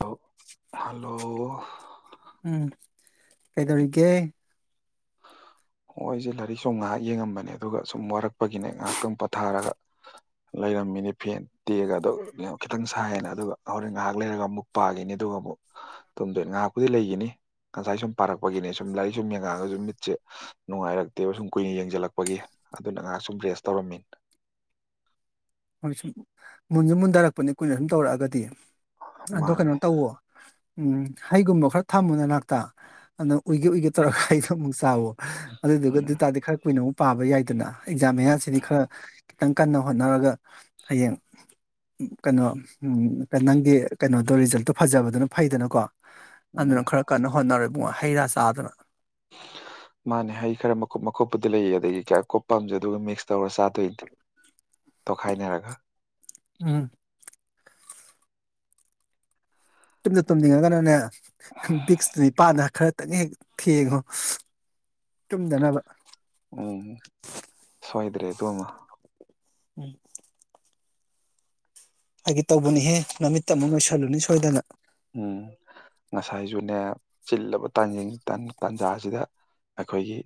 ꯂ ꯍꯜꯂꯣ ꯀꯩ ꯇꯧꯔꯒꯦ ꯍ ꯑꯩꯁꯦ ꯂꯥꯏꯔꯤꯛ ꯁꯨꯝ ꯉꯥꯏꯍꯥꯛ ꯌꯦꯡꯉꯝꯕꯅꯦ ꯑꯗꯨꯒ ꯁꯨꯝ ꯋꯥꯔꯛꯄꯒꯤꯅꯦ ꯉꯥꯏꯍꯥꯛꯇꯪ ꯄꯣꯊꯥꯔꯒ ꯂꯩꯔꯝꯃꯤꯅꯦ ꯐꯦꯟ ꯇꯦꯛꯒ ꯑꯣ ꯈꯤꯇꯪ ꯁꯥꯏꯌꯦꯦꯅ ꯑꯗꯨꯒ ꯍꯣꯔꯦꯟ ꯉꯥꯏꯍꯥꯛ ꯂꯩꯔꯒ ꯑꯃꯨꯛ ꯄꯥꯈꯤꯅꯤ ꯑꯗꯨꯒ ꯑꯃꯨꯛ ꯇꯨꯝꯗꯣꯏ ꯉꯥꯏꯍꯥꯛꯄꯨꯗꯤ ꯂꯩꯈꯤꯅꯤ ꯉꯁꯥꯏ ꯁꯨꯝ ꯄꯥꯔꯛꯄꯒꯤꯅꯦ ꯁꯨꯝ ꯂꯥꯏꯔꯤꯛ ꯁꯨꯝ ꯌꯦꯡꯉꯛꯑꯒꯁꯨ ꯃꯤꯠꯁꯦ ꯅꯨꯡꯉꯥꯏꯔꯛꯇꯦꯕ ꯁꯨꯝ ꯀꯨꯏꯅ ꯌꯦꯡꯁꯤꯜꯂꯛꯄꯒꯤ ꯑꯗꯨꯅ ꯉꯥꯏꯍꯥꯛ ꯁꯨꯝ ꯔꯦꯁ ꯇꯧꯔꯝꯃꯤ ꯑꯣꯣꯏ ꯁ ꯃꯨꯟꯁꯨꯦ ꯃꯨꯟꯊꯔꯛꯄꯅꯤ ꯀꯨꯏꯅ ꯁꯨꯝ ꯇꯧꯔꯛꯑꯒꯗꯤ ꯑꯣ ꯃꯥꯅꯦ ꯀꯩꯅꯣ ꯇꯧꯋꯣ ꯎꯝ ꯍꯩꯒꯨꯝꯕ ꯈꯔ ꯊꯝꯃꯨ ꯅꯅꯥꯛꯇ ꯑꯗꯨꯅ ꯎꯏꯒꯦ ꯎꯏꯒꯦ ꯇꯧꯔꯒ ꯑꯩꯗꯣ ꯑꯃꯨꯛ ꯆꯥꯕ ꯑꯗꯨꯗꯨꯒ ꯎꯝ ꯑꯗꯨ ꯇꯥꯗꯤ ꯈꯔ ꯀꯨꯏꯅꯧ ꯄꯥꯕ ꯌꯥꯏꯗꯅ ꯑꯦꯛꯖꯥꯝ ꯃꯌꯥꯁꯤꯗꯤ ꯈꯔ ꯈꯤꯇꯪ ꯀꯟꯅ ꯍꯣꯠꯅꯔꯒ ꯍꯌꯦꯡ ꯀꯩꯅꯣ ꯅꯪꯒꯤ ꯀꯩꯅꯣꯗꯣ ꯔꯤꯖꯜꯇꯣ ꯐꯖꯕꯗꯨꯅ ꯐꯩꯗꯅꯀꯣ ꯑꯗꯨꯅ ꯎꯝ ꯈꯔ ꯀꯟꯅ ꯍꯣꯠꯅꯔꯣꯏ ꯍꯩ ꯔꯥ ꯆꯥꯗꯅ ꯃꯥꯅꯦ ꯍꯩ ꯈꯔ ꯃꯈꯀꯨꯞ ꯃꯈꯀꯨꯞꯄꯗꯤ ꯂꯩ ꯑꯗꯒꯤ ꯀꯌꯥ ꯀꯨꯞꯞꯄꯝꯖ ꯑꯗꯨꯒ ꯃꯤꯛꯁ ꯇꯧꯔ ꯆꯥꯗꯣꯏꯅꯦ ꯇꯧꯈꯥꯏꯅꯔꯒ ꯎꯝ ꯇꯃꯤ ꯇꯡ ꯀꯅꯅꯦ ꯕꯤꯛꯁꯅꯤ ꯄꯥꯟꯗ ꯈꯔ ꯈꯤꯇꯪ ꯍꯦꯛ ꯊꯦꯡꯉꯣ ꯆꯨꯝꯗꯅꯕ ꯎꯝ ꯁꯣꯏꯗ꯭ꯔꯦ ꯑꯗꯨꯃ ꯎꯝ ꯍꯥꯏꯒ ꯇꯧꯕꯅꯤꯍꯦ ꯅꯨꯃꯤꯠꯇ ꯑꯃꯨꯛ ꯂꯣꯏꯁꯜꯂꯨꯅꯤ ꯁꯣꯏꯗꯅ ꯎꯝ ꯉꯁꯥꯏꯁꯨꯅꯦ ꯆꯤꯜꯂꯕ ꯇꯥꯟꯖ ꯇꯥꯟꯖꯥꯁꯤꯗ ꯑꯩꯈꯣꯏꯒꯤ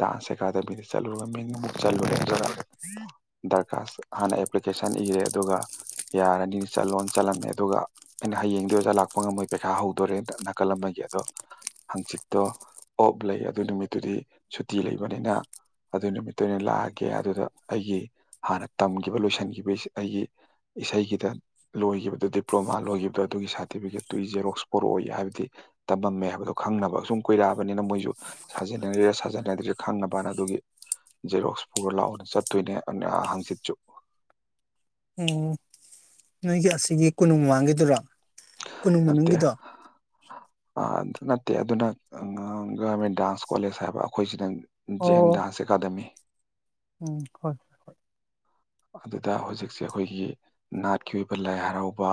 ꯗꯥꯟꯁ ꯑꯦꯀꯥꯗꯃꯤꯗ ꯆꯠꯂꯨꯔ ꯃꯤꯡ ꯑꯃꯨꯛ ꯆꯠꯂꯨꯔꯦ ꯑꯗꯨꯒ ꯗꯔꯀꯥꯁ ꯍꯥꯟꯅ ꯑꯦꯄ꯭ꯂꯤꯀꯦꯁꯟ ꯏꯔꯦ ꯑꯗꯨꯒ ꯌꯥꯔꯅꯤ ꯆꯠꯂꯣ ꯆꯠꯂꯝꯃꯦ ꯑꯗꯨꯒ ꯍꯌꯦꯡꯗꯣ ꯑꯣꯖꯥ ꯂꯥꯛꯄ ꯉꯝꯃꯣꯏ ꯄꯩꯈꯥ ꯍꯧꯗꯣꯔꯦꯅ ꯅꯥꯀꯜꯂꯝꯒ ꯑꯗꯣ ꯍꯪꯆꯤꯠꯇꯣ ꯑꯣꯞ ꯂꯩ ꯑꯗꯨ ꯅꯨꯃꯤꯠꯇꯨꯗꯤ ꯁꯨꯇꯤ ꯂꯩꯕꯅꯤꯅ ꯑꯗꯨ ꯅꯨꯃꯤꯠꯇꯨ ꯑꯣꯏꯅ ꯂꯥꯛꯑꯒꯦ ꯑꯗꯨꯗ ꯑꯩꯒꯤ ꯍꯥꯟꯅ ꯇꯝꯈꯤꯕ ꯂꯣꯏꯁꯤꯟꯈꯤꯕ ꯑꯩꯒꯤ ꯏꯁꯩꯒꯤꯗ ꯂꯣꯏꯈꯤꯕꯗꯨꯣ ꯗꯤꯄ꯭ꯂꯣꯃꯥ ꯂꯣꯏꯈꯤꯕꯗꯨ ꯑꯗꯨꯒꯤ ꯁꯥꯔꯇꯤꯐꯤꯀꯦꯠꯇꯨꯒꯤ ꯖꯦꯔꯣꯛꯁ ꯄꯣꯔꯛꯑꯣ ꯍꯥꯏꯕꯗꯤ ꯇꯝꯃꯝꯃꯦ ꯍꯥꯏꯕꯗꯣ ꯈꯪꯅꯕ ꯁꯨꯝ ꯀꯨꯏꯔꯛꯑꯕꯅꯤꯅ ꯃꯣꯏꯁꯨ ꯁꯥꯖꯟꯅꯔꯤꯔꯥ ꯁꯥꯖꯅꯗ꯭ꯔꯥ ꯈꯪꯅꯕꯅ ꯑꯗꯨꯒꯤ ꯖꯦꯔꯣꯛꯁ ꯄꯨꯣꯔ ꯂꯥꯛꯑꯣꯅ ꯆꯠꯇꯣꯏꯅꯦ ꯍꯪꯆꯤꯠꯁꯨ ꯎꯝ ꯅꯣꯏꯒꯤ ꯑꯁꯤꯒꯤ ꯀꯨꯟꯅꯨꯡ ꯃꯃꯥꯡꯒꯤꯗꯨꯔꯣ ꯀꯣꯅꯨꯡ ꯃꯅꯨꯡꯒꯤꯗꯣ ꯑ ꯑꯗꯨ ꯅꯠꯇꯦ ꯑꯗꯨꯅ ꯒꯔꯃꯦꯟ ꯗꯥꯟꯁ ꯀꯣꯂꯦꯖ ꯍꯥꯏꯕ ꯑꯩꯈꯣꯏꯁꯤꯅꯪ ꯑꯣ ꯖꯦꯟꯗꯁꯤ ꯑꯦꯀꯥꯗꯦꯃꯤ ꯎꯝ ꯍꯣꯏ ꯍꯣꯏ ꯑꯗꯨꯗ ꯍꯧꯖꯤꯛꯁꯦ ꯑꯩꯈꯣꯏꯒꯤ ꯅꯥꯠꯀꯤ ꯑꯣꯏꯕ ꯂꯥꯏ ꯍꯔꯥꯎꯕ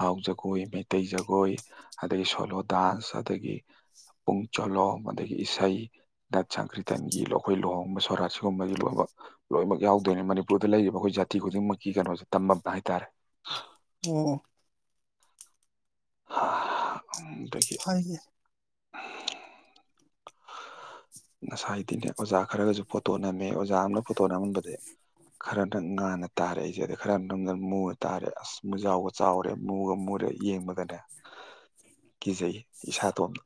ꯍꯥꯎ ꯖꯒꯣꯏ ꯃꯩꯇꯩ ꯖꯒꯣꯏ ꯑꯗꯒꯤ ꯁꯣꯂꯣ ꯗꯥꯟꯁ ꯑꯗꯒꯤ ꯄꯨꯡ ꯆꯣꯂꯣꯝ ꯑꯗꯒꯤ ꯏꯁꯩ ꯅꯅꯥꯠ ꯁꯪꯀ꯭ꯔꯤꯇꯟꯒꯤꯈꯣꯏ ꯂꯨꯍꯣꯡꯕ ꯁꯣꯔꯥꯠ ꯁꯤꯒꯨꯝꯕꯒꯤ ꯂꯣꯏꯅꯃꯛ ꯂꯣꯏꯅꯃꯛ ꯌꯥꯎꯗꯣꯏꯅꯤ ꯃꯅꯤꯄꯨꯔ ꯃꯄꯨꯔꯗ ꯂꯩꯔꯤꯕ ꯑꯩꯈꯣꯏ ꯖꯥꯇꯤ ꯈꯨꯗꯤꯡꯃꯛꯀꯤ ꯀꯩꯅꯣꯁꯦ ꯇꯝꯕꯝ ꯍꯥꯏꯇꯥꯔꯦ ꯑꯣ ꯍꯥ ꯎꯝ ꯐꯥꯏꯒꯤ ꯍꯝ ꯉꯁꯥꯏꯗꯤꯅꯦ ꯑꯣꯖꯥ ꯈꯔꯒꯁꯨ ꯐꯣꯇꯣ ꯅꯝꯃꯦ ꯑꯣꯖꯥ ꯑꯃꯅ ꯉꯥꯁꯥꯏꯗꯤꯅꯦ ꯑꯣꯖꯥ ꯈꯔꯒꯁꯨ ꯑꯣꯖꯥ ꯑꯃꯅ ꯐꯣꯇꯣ ꯅꯝꯍꯟꯕꯗꯩ ꯈꯔꯅ ꯉꯥꯟꯟꯅ ꯇꯥꯔꯦ ꯑꯩꯁꯦ ꯑꯗ ꯈꯔ ꯃꯨꯅ ꯇꯥꯔꯦ ꯑꯁ ꯃꯨꯖꯥꯎꯒ ꯆꯥꯎꯔꯦ ꯃꯨꯒ ꯃꯨꯔꯦ ꯌꯦꯡꯕꯒꯅꯦ ꯀꯤꯖꯩ ꯏꯁꯥꯇꯣꯝꯗ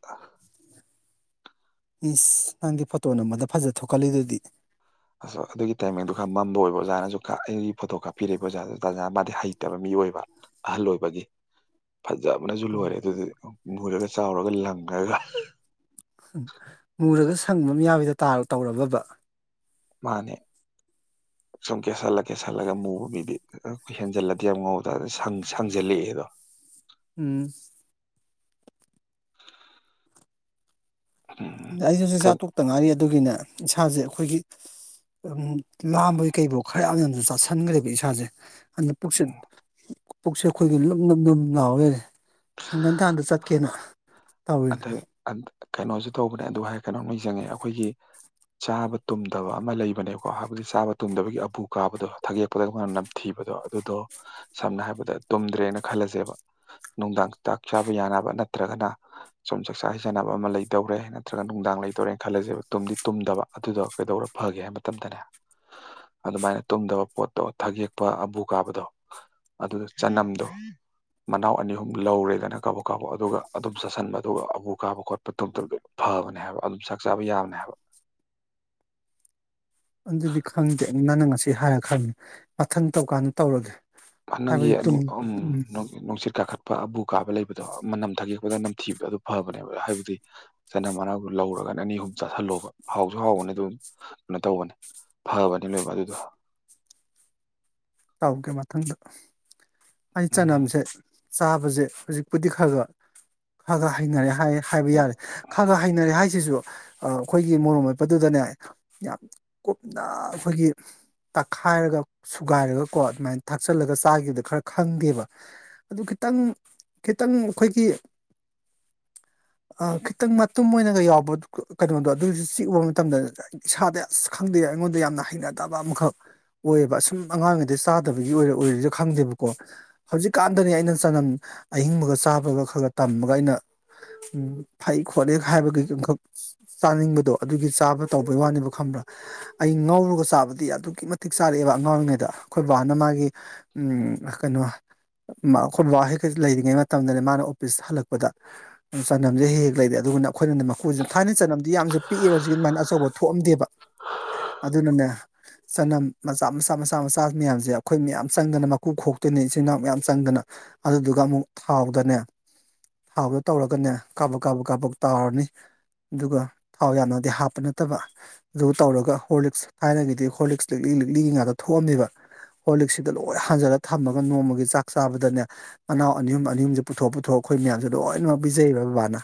ꯏꯁꯁ ꯅꯪꯗꯤ ꯐꯣꯇꯣ ꯅꯝꯕꯗ ꯐꯖ ꯊꯣꯛꯀꯜꯂꯤꯗꯨꯗꯤ ꯑꯗꯣ ꯑꯗꯨꯒꯤ ꯇꯥꯏꯃꯤꯡꯗꯨꯣ ꯈꯔ ꯃꯝꯕ ꯑꯣꯏꯕ ꯑꯣꯖꯥꯅꯁꯨ ꯑꯩꯒꯤ ꯐꯣꯇꯣ ꯀꯥꯞꯄꯤꯔꯛꯏꯕ ꯑꯣꯖꯥꯗꯨꯁꯨ ꯇꯥꯖꯥꯅ ꯃꯥꯗꯤ ꯍꯩꯇꯕ ꯃꯤ ꯑꯣꯏꯕ ꯑꯍꯜ ꯑꯣꯏꯕꯒꯤ ꯐꯖꯕꯅꯁꯨ ꯂꯣꯏꯔꯦ ꯑꯗꯨꯗꯤ ꯃꯨꯔꯒ ꯆꯥꯎꯔꯒ ꯂꯪꯉꯒ ꯃꯨꯔꯒ ꯁꯪꯕ ꯑꯝ ꯌꯥꯌꯤꯗꯨ ꯇꯔ ꯇꯧꯔꯕꯕ ꯃꯥꯅꯦ ꯁꯨꯝ ꯀꯦꯁꯜꯂ ꯀꯦꯁꯜꯂꯒ ꯃꯨꯕ ꯃꯤꯗꯤ ꯑꯩꯈꯣꯏ ꯍꯦꯟꯖꯜꯂꯗꯤ ꯌꯥꯝ ꯉꯧꯗ ꯁꯪ ꯁꯪꯖꯜꯂꯛꯑꯦꯗꯣ ꯎꯨꯝ ꯎꯝ ꯑꯩꯁꯨ ꯆꯥꯛꯆꯥ ꯀꯩ- ꯇꯣꯛꯇꯥ ꯉꯥꯏꯔꯤ ꯑꯗꯨꯒꯤꯅ ꯏꯁꯥꯁꯦ ꯑꯩꯈꯣꯏꯒꯤ ꯂꯥꯝꯕꯒꯤ ꯀꯩꯐꯣ ꯈꯔ ꯌꯥꯝ ꯌꯥꯝꯁꯨ ꯆꯥꯁꯟꯈ꯭ꯔꯦꯕ ꯏꯁꯥꯁꯦ ꯑꯗꯨꯅ ꯄꯨꯛꯁꯦ ꯎꯝ, ꯄꯨꯛꯁꯦ ꯑꯩꯈꯣꯏꯒꯤ ꯂꯨꯝ ꯂꯨꯝ ꯂꯨꯝ ꯂꯥꯎꯔꯒꯅꯦ ꯍꯪꯒꯟꯊꯥꯟꯗ ꯆꯠꯀꯦꯅ ꯇꯧꯔꯤꯅꯦ ꯑꯗ ꯑ ꯀꯩꯅꯣꯖꯤ ꯇꯧꯕꯅꯦ ꯑꯗꯨ ꯍꯥꯏ ꯀꯩꯅꯣꯝꯅ ꯅꯤꯡꯖꯤꯡꯉꯦ ꯑꯩꯈꯣꯏꯒꯤ ꯆꯥꯕ ꯇꯨꯝꯗꯕ ꯑꯃ ꯂꯩꯕꯅꯦꯀꯣ ꯍꯥꯏꯕꯗꯤ ꯆꯥꯕ ꯇꯨꯝꯗꯕꯒꯤ ꯑꯕꯨ ꯀꯥꯕꯗꯣ ꯊꯒꯦꯛꯄꯗꯅ ꯅꯝꯊꯤꯕꯗꯣ ꯑꯗꯨꯗꯣ ꯁꯝꯅ ꯍꯥꯏꯔꯕꯗ ꯇꯨꯝꯗ꯭ꯔꯦꯅ ꯈꯜꯂꯁꯦꯕ ꯅꯨꯡꯗꯥꯡ ꯆꯥꯛ ꯆꯥꯕ ꯌꯥꯅꯕ ꯅꯠꯇ꯭ꯔꯒꯅ ꯁꯨꯝ ꯆꯥꯛꯆꯥ ꯍꯩꯖꯥꯟꯅꯕ ꯑꯃ ꯂꯩꯇꯧꯔꯦ ꯅꯠꯇ꯭ꯔꯒ ꯅꯨꯡꯗꯥꯡ ꯂꯩꯗꯧꯔꯦꯅ ꯈꯜꯂꯁꯦꯕ ꯇꯨꯝꯗꯤ ꯇꯨꯝꯗꯕ ꯑꯗꯨꯗꯣ ꯀꯩꯗꯧꯔ ꯐꯒꯦ ꯍꯥꯏꯕ ꯃꯇꯝꯗꯅꯦ ꯑꯗꯨꯃꯥꯏꯅ ꯇꯨꯝꯗꯕ ꯄꯣꯠꯇꯣ ꯊꯒꯦꯛꯄ ꯑꯕꯨ ꯀꯥꯕꯗꯣ ꯑꯗꯨꯗ ꯆꯅꯝꯗꯣ ꯃꯅꯥꯎ ꯑꯅꯤ ꯑꯍꯨꯝ ꯂꯧꯔꯦꯗꯅ ꯀꯕ ꯀꯥꯎꯕ ꯑꯗꯨꯒ ꯑꯗꯨꯝ ꯆꯥꯁꯤꯟꯕ ꯑꯗꯨꯒ ꯑꯕꯨ ꯀꯥꯕ ꯈꯣꯠꯄ ꯇꯨꯝꯗꯕꯗꯣ ꯐꯕꯅꯦ ꯍꯥꯏꯕ ꯑꯗꯨꯝ ꯆꯥꯛ ꯆꯥꯕ ꯌꯥꯕꯅꯦ ꯑꯗꯨꯟꯗꯤ ꯈꯪꯗꯦ ꯅꯪꯅ ꯉꯁꯤ ꯍꯥꯏꯔ ꯈꯪꯉꯤ ꯃꯊꯪ ꯇꯧꯀꯥꯟꯗ ꯇꯧꯔꯒꯦ ꯍ ꯅꯪꯒꯤ ꯍꯥꯏꯕꯗꯤ ꯇꯨꯡ ꯎꯝ ꯅꯨꯡꯁꯤꯠ ꯀꯥꯈꯠ ꯄ ꯑꯝꯕꯨ ꯀꯥꯕ ꯂꯩꯕꯗꯣ ꯃꯅꯝ ꯊꯥꯒꯦꯛꯄꯗ ꯅꯝ ꯊꯤꯕꯗꯣ ꯑꯗꯨ ꯐꯕꯅꯦꯕ ꯍꯥꯏꯕꯗꯤ ꯆꯅꯝ ꯃꯅꯥꯗꯨ ꯂꯧꯔꯒꯅꯦ ꯑꯅꯤ ꯑꯍꯨꯝ ꯆꯥꯁꯤꯜꯂꯣꯕ ꯍꯥꯎꯁꯨ ꯍꯥꯎꯕꯅꯤ ꯑꯗꯨꯝ ꯀꯩꯅꯣ ꯇꯧꯕꯅꯦ ꯐꯕꯅꯤ ꯂꯣꯏꯃꯛ ꯑꯗꯨꯗꯣ ꯇꯧꯒꯦ ꯃꯊꯪꯗ ꯑꯩ ꯎꯝ ꯆꯅꯝꯁꯦ ꯆꯥꯕꯁꯦ ꯍꯧꯖꯤꯛꯄꯨꯗꯤ ꯈꯔ ꯈ ꯈꯔ ꯈ ꯍꯩꯅꯔꯦ ꯍꯥꯏꯌꯦ ꯍꯥꯏꯕ ꯌꯥꯔꯦ ꯈꯔ ꯈ ꯍꯩꯅꯔꯦ ꯍꯥꯏꯁꯤꯁꯨ ꯑꯩꯈꯣꯏꯒꯤ ꯃꯣꯔꯣꯛ ꯃꯦꯠꯄꯗꯨꯗꯅꯦ ꯌꯥꯝ ꯀꯨꯞꯅ ꯑꯩꯈꯣꯏꯒꯤ ꯇꯛꯈꯥꯏꯔꯒ ꯁꯨꯒꯥꯏꯔꯒ ꯀꯣ ꯑꯗꯨꯃꯥꯏꯅ ꯊꯥꯛꯆꯜꯂꯒ ꯆꯥꯈꯤꯕꯗꯣ ꯈꯔ ꯈꯪꯗꯦꯕ ꯑꯗꯨ ꯈꯤꯇꯪ ꯈꯤꯇꯪ ꯑꯩꯈꯣꯏꯒꯤ ꯈꯤꯇꯪ ꯃꯇꯨꯝ ꯑꯣꯏꯅꯒ ꯌꯥꯎꯕ ꯀꯩꯅꯣꯗꯣ ꯑꯗꯨꯁꯨ ꯆꯤꯛ ꯎꯕ ꯃꯇꯝꯗ ꯏꯁꯥꯗ ꯑꯁ ꯈꯪꯗꯦ ꯑꯩꯉꯣꯟꯗ ꯌꯥꯝꯅ ꯍꯩꯅꯗꯕ ꯑꯃꯈꯛ ꯑꯣꯏꯌꯦꯕ ꯑꯁꯨꯝ ꯑꯉꯥꯡ ꯑꯗꯩ ꯆꯥꯗꯕꯒꯤ ꯑꯣꯏꯔ ꯑꯣꯏꯔꯁꯨ ꯈꯪꯗꯦꯕꯀꯣ ꯍꯧꯖꯤꯛꯀꯥꯟꯗꯅꯤ ꯑꯩꯅ ꯆꯅꯝ ꯑꯍꯤꯡꯕꯒ ꯆꯥꯕꯒ ꯈꯔ ꯈ ꯇꯝꯃꯒ ꯑꯩꯅ ꯐꯩ ꯈꯣꯠꯂꯤꯦ ꯍꯥꯏꯕꯒꯤꯈꯛ ꯆꯥꯅꯤꯡꯕꯗꯣ ꯑꯗꯨꯒꯤ ꯆꯥꯕ ꯇꯧꯕꯩ ꯋꯥꯅꯦꯕ ꯈꯪꯕ꯭ꯔꯥ ꯑꯩ ꯉꯧꯔꯒ ꯆꯥꯕꯗꯤ ꯑꯗꯨꯛꯀꯤ ꯃꯇꯤꯛ ꯆꯥꯔꯛꯑꯦꯕ ꯑꯉꯥꯡ ꯑꯣꯏꯔꯤꯉꯩꯗ ꯈꯣꯏ ꯕꯥꯅ ꯃꯥꯒꯤ ꯀꯩꯅꯣ ꯑꯩꯈꯣꯏ ꯕꯥ ꯍꯦꯛꯀ ꯂꯩꯔꯤꯉꯩ ꯃꯇꯝꯗꯅꯦ ꯃꯥꯅ ꯑꯣꯄꯤꯤꯁ ꯍꯜꯂꯛꯄꯗ ꯆꯅꯝꯁꯦ ꯍꯦꯛ ꯍꯦꯛ ꯂꯩꯔꯦ ꯑꯗꯨꯅ ꯑꯩꯈꯣꯏꯅꯅꯦ ꯃꯈꯣꯏꯁꯤ ꯊꯥꯏꯅ ꯆꯅꯝꯗꯤ ꯌꯥꯝꯁꯨ ꯄꯤꯛꯑꯦꯕ ꯍꯧꯖꯤꯛ ꯑꯗꯨꯃꯥꯏꯅ ꯑꯆꯧꯕ ꯊꯣꯛꯑꯝꯗꯦꯕ ꯑꯗꯨꯅꯅꯦ ꯆꯅꯝ ꯃꯆꯥ ꯃꯆꯥ ꯃꯆꯥ ꯃꯆꯥ ꯇꯥꯥꯛ ꯃꯌꯥꯝꯁꯦ ꯑꯩꯈꯣꯏ ꯃꯌꯥꯝ ꯆꯪꯗꯅ ꯃꯀꯨ ꯈꯣꯛꯇꯣꯏꯅꯦ ꯏꯆꯤꯟ ꯏꯅꯥꯎ ꯃꯌꯥꯝ ꯆꯪꯗꯅ ꯑꯗꯨꯗꯨꯒ ꯑꯃꯨꯛ ꯊꯥꯎꯗꯅꯦ ꯊꯥꯎꯗꯣ ꯇꯧꯔꯒꯅꯦ ꯀꯥꯞꯕꯛ ꯀꯥꯞꯕꯛ ꯀꯥꯞꯕꯛ ꯇꯥꯎꯔꯅꯤ ꯑꯗꯨꯒ ꯊꯥꯎ ꯌꯥꯝꯅꯗꯤ ꯍꯥꯞꯄ ꯅꯠꯇꯕ ꯑꯗꯨꯒ ꯇꯧꯔꯒ ꯍꯣꯔꯂꯤꯛꯁ ꯊꯥꯏꯅꯒꯤꯗꯤ ꯍꯣꯔꯂꯤꯛꯁ ꯂꯤꯛꯂꯤ ꯂꯤꯛꯂꯤꯒꯤ ꯉꯥꯛꯇ ꯊꯣꯛꯑꯝꯃꯦꯕ ꯍꯣꯂꯤꯛꯁꯤꯗ ꯂꯣꯏ ꯍꯥꯟꯖꯜꯂꯒ ꯊꯝꯃꯒ ꯅꯣꯡꯃꯒꯤ ꯆꯥꯛ ꯆꯥꯕꯗꯅꯦ ꯃꯅꯥꯎ ꯑꯅꯤꯌꯨꯝ ꯑꯅꯤꯨꯝꯁꯦ ꯄꯨꯊꯣꯛ ꯄꯨꯊꯣꯛꯑ ꯑꯩꯈꯣꯏ ꯃꯌꯥꯝꯁꯦ ꯂꯣꯏꯅꯃꯛ ꯄꯤꯖꯩꯌꯦꯕ ꯕꯕꯥꯅ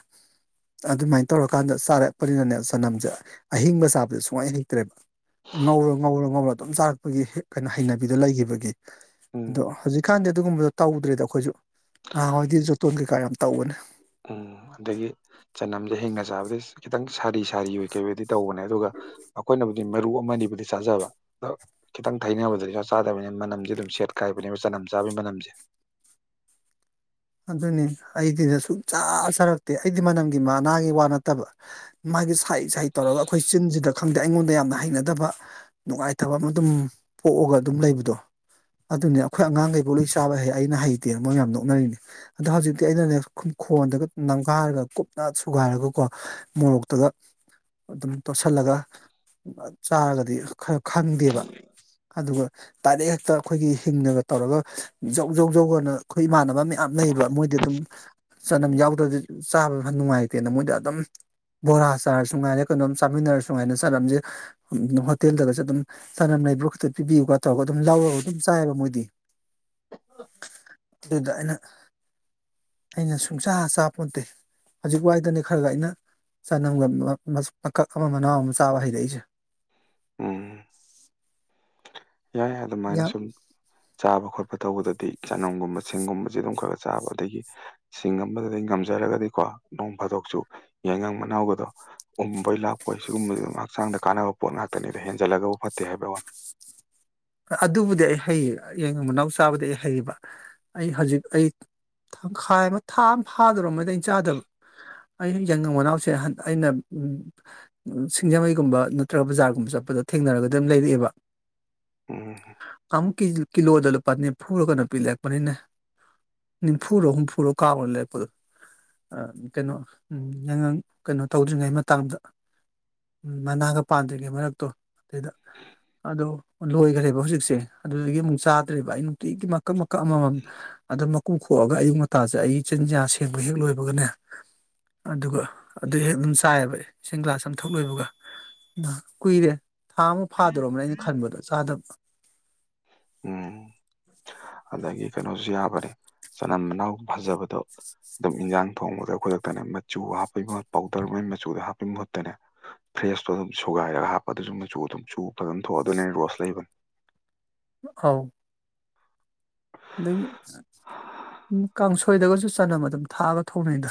ꯑꯗꯨꯃꯥꯏꯅ ꯇꯧꯔꯀꯥꯟꯗ ꯆꯥꯔꯛꯄꯅꯤꯅꯅꯦ ꯆꯅꯝꯁꯦ ꯑꯍꯤꯡꯕ ꯆꯥꯕꯗ ꯁꯨꯃꯥꯏꯅ ꯍꯩꯇ꯭ꯔꯦꯕ ꯉꯧꯔ ꯉꯧꯔ ꯉꯧꯔ ꯑꯗꯨꯝ ꯆꯥꯔꯛꯄꯒꯤ ꯍꯦ ꯀꯩꯅꯣ ꯍꯩꯅꯕꯤꯗ ꯂꯩꯒꯤꯕꯒꯤ ꯑꯗꯣ ꯎꯝ ꯍꯧꯖꯤꯛꯀꯥꯟꯗꯤ ꯑꯗꯨꯒꯨꯝꯕꯗꯣ ꯇꯧꯗ꯭ꯔꯦꯗ ꯑꯩꯈꯣꯏꯁꯨ ꯉꯍꯥꯋꯥꯏꯗꯤ ꯖꯨꯇꯣꯟ ꯀꯩꯀꯥ ꯌꯥꯝ ꯇꯧꯕꯅꯦ ꯎꯨꯝ ꯑꯗꯒꯤ ꯆꯅꯝꯁꯦ ꯍꯦꯡꯅ ꯆꯥꯕꯗꯤ ꯈꯤꯇꯪ ꯁꯥꯔꯤ ꯁꯥꯔꯤ ꯑꯣꯏ ꯀꯩꯋꯣꯏꯗꯤ ꯇꯧꯕꯅꯦ ꯑꯗꯨꯒ ꯑꯩꯈꯣꯏꯅꯕꯨ ꯃꯔꯨ ꯑꯃꯅꯤꯅꯤꯕꯨꯗꯤ ꯆꯥꯖꯕ ꯑ ꯈꯤꯇꯪ ꯊꯩꯅꯅꯕꯗꯗꯤ ꯏꯁꯥ ꯆꯥꯗꯕꯅꯤꯅ ꯃꯅꯝꯁ ꯑꯗꯨꯝ ꯁꯦꯠꯀꯥꯏꯕꯅꯦꯕ ꯆꯅꯝ ꯆꯥꯕꯒꯤ ꯃꯅꯝꯁꯦ ꯑꯗꯨꯅꯤ ꯑꯩꯗꯤꯅ ꯁꯨꯡꯆꯥꯥ ꯆꯥꯔꯛꯇꯦ ꯑꯩꯗꯤ ꯃꯅꯝꯒꯤ ꯃꯥꯅꯥꯒꯤ ꯋꯥ ꯅꯠꯇꯕ ꯃꯥꯒꯤ ꯁꯥꯏ ꯁꯥꯏ ꯇꯧꯔꯒ ꯑꯩꯈꯣꯏ ꯆꯤꯟꯁꯤꯗ ꯈꯪꯗꯦ ꯑꯩꯉꯣꯟꯗ ꯌꯥꯝꯅ ꯍꯩꯅꯗꯕ ꯅꯨꯡꯉꯥꯏꯇꯕ ꯑꯃ ꯑꯗꯨꯝ ꯄꯣꯛꯑꯒ ꯑꯗꯨꯝ ꯂꯩꯕꯗꯣ ꯑꯗꯨꯅꯤ ꯑꯩꯈꯣꯏ ꯑꯉꯥꯡꯈꯩꯀꯣ ꯂꯣꯏ ꯆꯥꯕ ꯍꯩ ꯑꯩꯅ ꯍꯩꯇꯦ ꯃꯣꯏ ꯌꯥꯝ ꯅꯣꯛꯅꯔꯤꯅꯤ ꯑꯗꯣ ꯍꯧꯖꯤꯛꯇꯤ ꯑꯩꯅꯅꯦꯦꯛ ꯈꯈꯣꯟꯗꯒ ꯅꯝꯈꯥꯏꯔꯒ ꯀꯨꯞꯅ ꯁꯨꯒꯥꯏꯔꯒꯀꯣ ꯃꯣꯔꯣꯛꯇꯒ ꯑꯗꯨꯝ ꯇꯣꯠꯁꯤꯜꯂꯒ ꯆꯥꯔꯒꯗꯤ ꯈꯔ ꯈꯪꯗꯦꯕ ꯑꯗꯨꯒ ꯗꯥꯏꯔꯦꯛ ꯍꯦꯛꯇ ꯑꯩꯈꯣꯏꯒꯤ ꯍꯤꯡꯉꯒ ꯇꯧꯔꯒ ꯖꯧ ꯖꯧ ꯌꯖꯧꯒꯅ ꯑꯩꯈꯣꯏ ꯏꯃꯥꯟꯅꯕ ꯑꯃ ꯌꯥꯝ ꯂꯩꯕ ꯃꯣꯏꯗꯤ ꯑꯗꯨꯝ ꯆꯅꯝ ꯌꯥꯎꯗ꯭ꯔꯗꯤ ꯆꯥꯕ ꯌꯥꯝ ꯅꯨꯡꯉꯥꯏꯇꯦꯅ ꯃꯣꯏꯗ ꯑꯗꯨꯝ ꯕꯣꯔꯥ ꯆꯥꯔꯁꯨ ꯉꯥꯏꯔꯦ ꯀꯩꯅꯣꯝ ꯆꯥꯃꯤꯟꯅꯔꯁꯨ ꯉꯥꯏꯔꯦ ꯆꯅꯝꯁꯦ ꯍꯣꯇꯦꯜꯗꯒꯁꯨ ꯑꯗꯨꯝ ꯆꯅꯝ ꯂꯩꯕ꯭ꯔ ꯛꯇ ꯄꯤꯕꯤꯌꯨꯀ ꯇꯧꯔꯒ ꯑꯗꯨꯝ ꯂꯧꯔꯒ ꯑꯗꯨꯝ ꯆꯥꯏꯕ ꯃꯣꯏꯗꯤ ꯑꯗꯨꯗ ꯑꯩꯅ ꯑꯩꯅ ꯁꯨꯡꯁꯥ ꯆꯥꯕ ꯄꯣꯠꯇꯦ ꯍꯧꯖꯤꯛ ꯋꯥꯏꯗꯅꯦ ꯈꯔꯒ ꯑꯩꯅ ꯆꯅꯝꯒ ꯃꯀꯛ ꯑꯃ ꯃꯅꯥꯎ ꯑꯃ ꯆꯥꯕ ꯍꯩꯔꯛꯏꯁꯦ ꯎꯝ ꯌꯥꯏ ꯑꯗꯨꯃꯥꯏꯅ ꯌꯥꯝ ꯁꯨꯝ ꯆꯥꯕ ꯈꯣꯠꯄ ꯆ ꯇꯧꯕꯗꯗꯤ ꯆꯅꯝꯒꯨꯝꯕ ꯁꯤꯡꯒꯨꯝꯁꯦ ꯑꯗꯨꯝ ꯈꯔ ꯈꯔ ꯆꯥꯕ ꯑꯗꯒꯤ ꯁꯤꯡ ꯑꯃꯗꯗꯒꯤ ꯉꯝꯖꯔꯒꯗꯤꯀꯣ ꯅꯣꯡ ꯐꯥꯗꯣꯛꯁꯨ ꯌꯥꯏꯉꯪ ꯃꯅꯥꯎꯒꯗꯣ ꯎꯕꯩ ꯂꯥꯛꯄꯣꯏ ꯁꯤꯒꯨꯝꯕꯕꯁꯤ ꯑꯗꯨꯝ ꯍꯛꯆꯥꯡꯗ ꯀꯥꯟꯅꯕ ꯄꯣꯠ ꯉꯥꯛꯇꯅꯤ ꯑꯗꯣ ꯍꯦꯟꯖꯜꯂꯒꯕꯨ ꯐꯠꯇꯦ ꯍꯥꯏꯕ ꯋꯥꯅꯤ ꯑꯗꯨꯕꯨꯗꯤ ꯑꯩ ꯍꯩꯌꯦ ꯌꯦ ꯃꯅꯥꯎ ꯆꯥꯕꯗꯤ ꯑꯩ ꯍꯩꯕ ꯑꯩ ꯍꯧꯖꯤꯛ ꯑꯩ ꯇꯪꯈꯥꯏ ꯑꯃ ꯊꯥ ꯑꯃ ꯐꯥꯗꯣꯔ ꯂꯩ ꯆꯥꯗꯕ ꯑ ꯍ ꯌꯥꯏꯈ ꯃꯅꯥꯎꯁꯦ ꯑꯩꯅ ꯁꯤꯡꯖꯃꯩꯒꯨꯝꯕ ꯅꯠꯇ꯭ꯔꯒ ꯕꯖꯥꯔꯒꯨꯝꯕ ꯆꯠꯄꯗ ꯊꯦꯡꯅꯔꯒꯗꯤ ꯑꯗꯨꯝ ꯂꯩꯔꯛꯑꯦꯕ ꯎꯝ ꯀꯤꯂꯣꯗ ꯂꯨꯄꯥ ꯅꯤꯝꯐꯨꯔ ꯀꯩꯅꯣ ꯄꯤ ꯂꯩꯔꯛꯄꯅꯤꯅꯦ ꯅꯤꯝꯐꯨꯔꯣ ꯍꯨꯝꯐꯨꯔꯣ ꯀꯥꯕ ꯂꯩꯔꯛꯄꯗꯣ ꯀꯩꯅꯣ ꯌꯥꯏꯉꯪ ꯀꯩꯅꯣ ꯇꯧꯗ꯭ꯔꯤꯉꯩ ꯃꯇꯥꯡꯗ ꯃꯅꯥꯒ ꯄꯥꯟꯗ꯭ꯔꯤꯉꯩ ꯃꯔꯛꯇꯣ ꯑꯗꯨꯗꯩꯗ ꯑꯗꯣ ꯂꯣꯏꯈ꯭ꯔꯦꯕ ꯍꯧꯖꯤꯛꯁꯦ ꯑꯗꯨꯗꯒꯤ ꯑꯃꯨꯛ ꯆꯥꯗ꯭ꯔꯦꯕ ꯑꯩ ꯅꯨꯡꯇꯤꯒꯤ ꯃꯀ ꯃꯝ ꯑꯗꯨ ꯀꯣꯛꯈꯣꯛꯑꯒ ꯑꯌꯨꯛ ꯉꯇꯥꯁꯦ ꯑꯩꯒꯤ ꯏ ꯆꯤꯟꯖꯥꯛ ꯁꯦꯡꯕ ꯍꯦꯛ ꯂꯣꯏꯕꯒꯅꯦ ꯑꯗꯨꯒ ꯑꯗꯨ ꯍꯦꯛ ꯑꯗꯨꯝ ꯆꯥꯏꯌꯦꯕ ꯏꯁꯤꯡ ꯒ꯭ꯂꯥꯁ ꯑꯝꯊꯛ ꯂꯣꯏꯕꯒ ꯀꯨꯏꯔꯦ ꯊꯥ ꯑꯃ ꯐꯥꯗꯧꯣꯔꯔꯕꯅꯦ ꯑꯩꯅ ꯈꯟꯕꯗ ꯁꯥꯥꯗꯕ ꯎꯝ ꯑꯗꯒꯤ ꯀꯩꯅꯣꯁꯨ ꯌꯥꯕꯅꯦ ꯆꯅꯝ ꯃꯅꯥꯎ ꯐꯖꯕꯗꯣ ꯑꯗꯨꯝ ꯏꯟꯖꯥꯡ ꯊꯣꯡꯕꯗ ꯈꯨꯗꯛꯇꯅꯦ ꯃꯆꯨ ꯍꯥꯞꯄꯩ ꯃꯍꯨꯠ ꯄꯥꯎꯗꯔ ꯃꯩ ꯃꯆꯨꯗꯣ ꯍꯥꯞꯄꯒꯤ ꯃꯍꯨꯠꯇꯅꯦ ꯐ꯭ꯔꯦꯁꯇꯣ ꯑꯗꯨꯝ ꯁꯨꯒꯥꯏꯔꯒ ꯍꯥꯞꯄ ꯑꯗꯨꯁꯨ ꯃꯆꯨ ꯑꯗꯨꯝ ꯆꯨ ꯐꯖꯅ ꯊꯣꯛꯑ ꯑꯗꯨꯅ ꯔꯣꯁ ꯂꯩꯕꯅꯤ ꯑꯥꯎ ꯑꯗꯒꯤ ꯀꯥꯡꯁꯣꯏꯗꯒꯁꯨ ꯆꯅꯝ ꯑꯗꯨꯝ ꯊꯥꯛꯑꯒ ꯊꯣꯡꯅꯩꯗ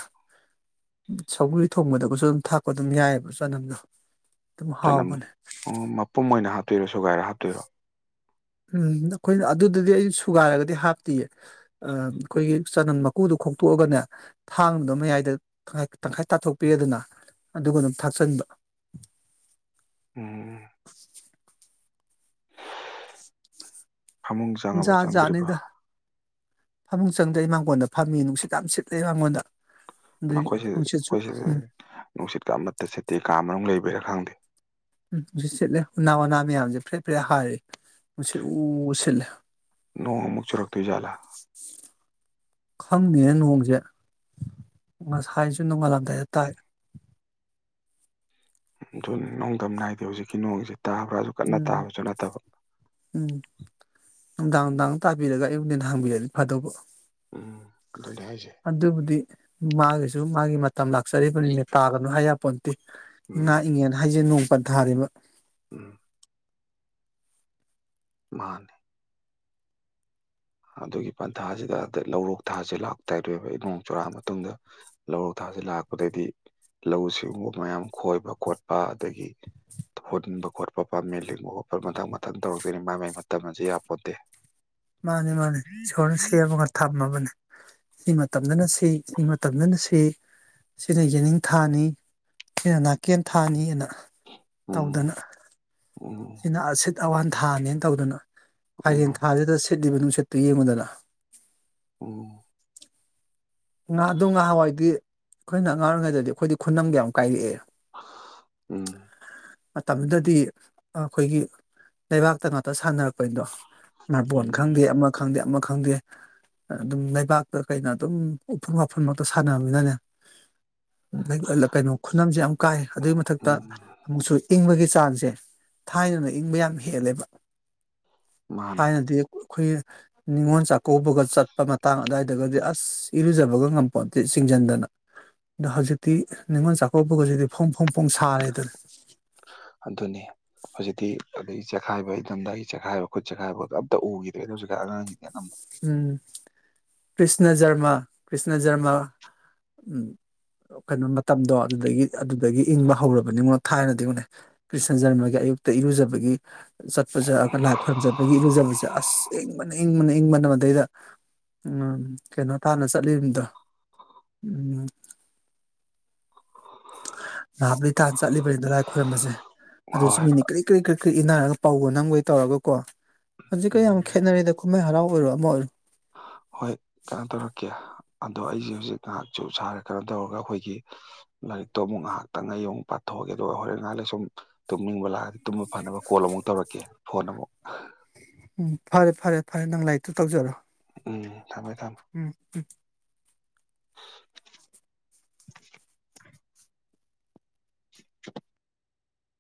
ꯁꯒꯔꯤ ꯊꯣꯡꯕꯗꯒꯁꯨ ꯑꯗꯨꯝ ꯊꯥꯛꯄ ꯑꯗꯨꯝ ꯌꯥꯏꯑꯕ ꯆꯅꯝꯗꯣ ꯑꯗꯨꯝ ꯅꯝ ꯍꯥꯎꯕꯅꯦ ꯎ ꯃꯄꯨꯝ ꯑꯣꯏꯅ ꯍꯥꯏ ꯇꯦꯔꯁꯤ ꯊꯨꯒꯥꯏꯔ ꯍꯥꯞꯇꯣꯏꯔꯣ ꯎꯝ ꯑꯩꯈꯣꯏꯅ ꯑꯗꯨꯗꯗꯤ ꯑꯩ ꯁꯨꯒꯥꯏꯔꯒꯗꯤ ꯍꯥꯞꯇꯤꯌꯦ ꯑꯩꯈꯣꯏꯒꯤ ꯆꯅꯝ ꯃꯀꯨꯗꯣ ꯈꯣꯛꯇꯣꯛꯑꯒꯅꯦ ꯊꯥꯡꯗꯨꯗꯣ ꯃꯌꯥꯏꯗ ꯇꯪꯈꯥꯏ ꯇꯥꯊꯣꯛꯄꯤꯔꯦꯗꯅ ꯑꯗꯨꯒ ꯑꯗꯨꯝ ꯊꯥꯛꯆꯟꯕ ꯎꯝ ꯐꯃꯨꯡ ꯆꯪꯉꯕ ꯖꯥꯠ ꯆꯪꯗ꯭ꯔꯤꯕ ꯖꯥꯠꯅꯤꯗ ꯐꯃꯨꯡ ꯆꯪꯗ ꯑꯩ ꯃꯉꯣꯟꯗ ꯐꯝꯃꯤ ꯅꯨꯡꯁꯤꯠ ꯌꯥꯝ ꯁꯤꯠꯂꯦ ꯃꯉꯣꯟꯗ ꯅꯈꯣꯏꯁꯤ ꯑꯩꯈꯣꯏꯁꯤꯗ ꯅꯨꯡꯁꯤꯠꯀ ꯑꯃꯠꯇ ꯆꯠꯇꯦ ꯀꯥ ꯃꯔꯨꯝ ꯂꯩꯕꯤꯔ ꯈꯪꯗꯦ ꯎꯝꯠ ꯁꯤꯠꯂꯦ ꯎꯅꯥ ꯎꯅꯥ ꯃꯌꯥꯝꯁꯦ ꯐꯔꯦꯠ ꯐꯔꯦꯠ ꯍꯥꯏꯔꯦ ꯎ ꯁꯤꯠꯂ ꯁꯤꯠꯂꯦ ꯅꯣꯡꯃꯨꯛ ꯆꯨꯔꯛꯗ ꯂꯥ ꯈꯪꯉꯦ ꯅꯣꯡꯁꯦ ꯉꯁꯥꯏꯁꯨ ꯅꯣꯡꯉꯥꯜꯂꯝꯗꯥꯏꯗ ꯇꯥꯏ ꯑꯗꯨꯨ ꯅꯣꯡꯗꯝ ꯅꯥꯏꯗꯦ ꯍꯧꯖꯤꯛꯀꯤ ꯅꯣꯡꯁꯤꯦ ꯎꯝ ꯎꯝ ꯅꯨꯡꯗꯥꯡ ꯅꯨꯡꯗꯥꯡ ꯇꯥꯕꯤꯔꯒ ꯑꯩꯕꯨꯅꯦꯅ ꯍꯥꯡꯕꯤꯔꯗꯤ ꯐꯗꯧꯕ ꯎꯝ ꯑꯗꯨꯅꯦ ꯍꯥꯏꯁꯦ ꯑꯗꯨꯕꯨꯗꯤ ꯃꯥꯒꯤꯁꯨ ꯃꯥꯒꯤ ꯃ ꯃꯇꯝ ꯂꯥꯛꯆꯔꯤꯕꯅꯤꯅꯦ ꯇꯥꯒꯅꯨ ꯑꯌꯥ ꯎꯝ ꯉꯥꯛꯏꯉꯦꯅ ꯍꯥꯏꯖꯅꯨ ꯄꯊꯥꯗꯤꯃ ꯎꯝ ꯃꯥꯅꯦ ꯑꯗꯨꯒꯤ ꯄꯟꯊꯥꯁꯤꯗ ꯂꯧꯔꯣꯛ ꯊꯥꯁ ꯂꯥꯛꯇꯔꯣꯏꯕ ꯅꯣꯡ ꯆꯨꯔꯥꯑ ꯃꯇꯨꯡꯗ ꯂꯧꯔꯣꯛ ꯊꯥꯁꯦ ꯂꯥꯛꯄꯗꯗꯤ ꯂꯧꯎ ꯁꯤꯡꯎꯕ ꯃꯌꯥꯝ ꯈꯣꯏꯕ ꯈꯣꯠꯄ ꯑꯗꯒꯤ ꯍꯨꯟꯕ ꯈꯣꯠꯄ ꯄꯥꯝꯃꯦꯟ ꯂꯤꯡꯕ ꯈꯣꯠꯄ ꯃꯊꯪ ꯃꯊꯪ ꯇꯧꯔꯛꯇꯣꯏꯅꯤ ꯃꯥꯏ ꯃꯥꯏ ꯃꯇꯝ ꯑ ꯌꯥꯝꯄꯣꯟꯠꯇꯦ ꯃꯥꯅꯦ ꯃꯥꯅꯦ ꯏꯁꯣꯔꯅ ꯁꯦꯝꯃꯒ ꯊꯝꯃꯕꯅꯦ ꯁꯤꯃ ꯃꯇꯝꯗꯅ ꯁꯤ ꯁꯤ ꯃꯇꯝꯗꯅ ꯁꯤ ꯁꯤꯅ ꯌꯦꯅꯤꯡꯊꯥꯅꯤ ꯁꯤꯅ ꯅꯥꯀꯦꯟ ꯊꯥꯅꯤꯅ ꯇꯧꯗꯅ ꯎꯝ ꯎꯝ ꯁꯤꯅꯁꯦ ꯑꯋꯥꯟ ꯊꯥꯅꯦꯅ ꯇꯧꯗꯅ ꯎꯝ ꯐꯥꯏꯗꯤꯦꯟ ꯊꯥꯖꯦꯗ ꯁꯦꯠꯂꯤꯕ ꯅꯨꯡꯁꯠꯇꯨ ꯌꯦꯡꯉꯨꯗꯅ ꯑꯣ ꯉꯥ ꯑꯗꯨ ꯉꯍꯥꯟꯋꯥꯏꯗꯤ ꯑꯩꯈꯣꯏꯅ ꯉꯉꯥꯡ ꯑꯣꯏꯔꯤꯉꯩꯗꯗꯤ ꯑꯩꯈꯣꯏꯗꯤ ꯈꯨꯅꯝꯒ ꯌꯥꯝ ꯀꯥꯏꯔꯛꯑꯦ ꯎꯝ ꯃꯇꯝꯗꯨꯗꯗꯤ ꯑꯩꯈꯣꯏꯒꯤ ꯂꯩꯕꯥꯛꯇ ꯉꯥꯛꯇ ꯁꯥꯟꯅꯔꯛꯄꯅꯤꯗꯣ ꯃꯔꯄꯣꯟ ꯎꯝ ꯈꯪꯗꯦ ꯑꯃ ꯈꯪꯗꯦ ꯑꯃ ꯈꯪꯗꯦ ꯑꯗꯨꯝ ꯂꯩꯕꯥꯛꯇ ꯀꯩꯅ ꯑꯗꯨꯝ ꯎꯐꯨ ꯋꯥꯐꯟꯕꯇꯣ ꯁꯥꯟꯅ ꯂꯩꯂꯅꯦ ꯀꯩꯅꯣ ꯈꯨꯅꯝꯁꯦ ꯌꯥꯝ ꯀꯥꯏ ꯑꯗꯨꯏ ꯃꯊꯛꯇ ꯎꯝ ꯑꯃꯨꯛꯁꯨ ꯏꯪꯕꯒꯤ ꯆꯥꯡꯁꯦ ꯊꯥꯏꯅꯅ ꯏꯪꯕ ꯌꯥꯝ ꯍꯦꯜꯂꯦꯕ ꯃꯥꯅꯤ ꯊꯥꯏꯅꯗꯤ ꯑꯩꯈꯣꯏ ꯅꯤꯉꯣꯜ ꯆꯥꯛꯀꯧꯕꯒ ꯆꯠꯄ ꯃꯇꯥꯡ ꯑꯗꯨꯋꯥꯏꯗꯒꯗꯤ ꯑꯁ ꯏꯔꯨꯖꯕꯒ ꯉꯝꯄꯣꯠꯇꯦ ꯆꯤꯡꯁꯤꯟꯗꯅ ꯑꯗꯣ ꯍꯧꯖꯤꯛꯇꯤ ꯅꯤꯉꯣꯜ ꯆꯥꯛꯀꯧꯕꯧꯕꯒꯖꯤꯗꯤ ꯐꯣꯡ ꯐꯣꯡ ꯐꯣꯡ ꯁꯥꯔꯦꯗꯅ ꯑꯗꯨꯅꯤ ꯍꯧꯖꯤꯛꯇꯤ ꯑꯗꯒꯤ ꯆꯈꯥꯏꯕ ꯑꯩꯔꯝꯗꯥꯏꯒꯤ ꯆꯈꯥꯏꯕ ꯈꯨꯠ ꯆꯈꯥꯏꯕ ꯑꯝꯇ ꯎꯈꯤꯗ꯭ꯔꯦꯗ ꯍꯧꯖꯤ ꯔꯥꯡꯉꯝꯕ ꯎꯝ ꯀ꯭ꯔꯤꯁꯅ ꯖꯔꯃ ꯀ꯭ꯔꯤꯁꯅ ꯖꯔꯃ ꯎꯝ ꯀꯩꯅꯣ ꯃꯇꯝꯗꯣ ꯑꯗꯨꯗꯒꯤ ꯑꯗꯨꯗꯒꯤ ꯏꯪꯕ ꯍꯧꯔꯕꯅꯤꯉꯣ ꯊꯥꯏꯅꯗꯤ ꯏꯉꯛꯅꯦ ꯀ꯭ꯔꯤꯁꯅ ꯖꯔꯃꯒꯤ ꯑꯌꯨꯛꯇ ꯏꯔꯨꯖꯕꯒꯤ ꯆꯠꯄꯁ ꯂꯥꯏ ꯈꯣꯏꯔꯨꯝꯖꯕꯒꯤ ꯏꯔꯨꯖꯕꯁꯦ ꯑꯁꯪꯕꯅꯤ ꯏꯪꯕꯅ ꯏꯪꯕꯅ ꯃꯗꯩꯗ ꯎꯝ ꯀꯩꯅꯣ ꯇꯥꯅ ꯆꯠꯂꯤꯗꯣ ꯎꯝ ꯅꯍꯥꯕ ꯂꯩꯇꯥꯟ ꯆꯠꯂꯤꯕꯅꯤꯅ ꯂꯥꯏ ꯈꯣꯏꯔꯝꯕꯁꯦ ꯑꯗꯨꯁꯨ ꯍꯣꯏ ꯃꯤꯅꯤ ꯀꯔꯤ ꯀꯔꯤ ꯀ꯭ꯔꯤ ꯀ꯭ꯔꯤ ꯏꯟꯅꯔꯒ ꯄꯥꯎꯒ ꯅꯪꯒꯣꯏ ꯇꯧꯔꯒꯀꯣ ꯍꯧꯖꯤꯛꯀ ꯌꯥꯝ ꯎꯝ ꯈꯦꯠꯅꯔꯦꯗ ꯀꯨꯝꯍꯩ ꯍꯔꯥꯎ ꯑꯣꯏꯔꯣ ꯑꯃ ꯑꯣꯏꯔꯣ ꯍꯣꯏ ꯀꯩꯅꯣ ꯇꯧꯔꯛꯀꯦ ꯑꯗꯣ ꯑꯩꯁꯦ ꯍꯧꯖꯤꯛ ꯉꯥꯏꯍꯥꯛꯁꯨ ꯁꯥꯔꯦ ꯀꯩꯅꯣ ꯇꯧꯔꯒ ꯑꯩꯈꯣꯏꯒꯤ ꯂꯥꯏꯔꯤꯛꯇꯣ ꯑꯃꯨꯛ ꯉꯥꯏꯍꯥꯛꯇꯪ ꯉ ꯑꯩ ꯑꯃꯨꯛ ꯄꯥꯊꯣꯛꯑꯒꯦ ꯑꯗꯨꯒ ꯍꯣꯔꯦꯟꯀꯥꯏꯥꯟꯂ ꯁꯨꯝ ꯇꯨꯝꯅꯤꯡꯕ ꯂꯥꯛꯑꯒꯗꯤꯨꯝ ꯐꯅꯕ ꯀꯣꯜ ꯑꯃꯨꯛ ꯇꯧꯔꯛꯀꯦ ꯐꯣꯟ ꯑꯃꯨꯛ ꯑ ꯎꯝ ꯐꯔꯦ ꯐꯔꯦ ꯐꯔꯦ ꯅꯪ ꯂꯥꯏꯔꯤꯛꯇꯨ ꯇꯧꯖꯔꯣ ꯎꯝ ꯊꯝꯃꯦ ꯊꯝꯃꯦ ꯎꯝ [inaudible] [inaudible]